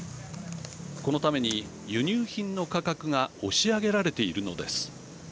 このために輸入品の価格が押し上げられているのです。